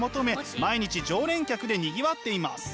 毎日常連客でにぎわっています。